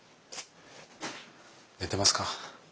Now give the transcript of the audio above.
寝てますか？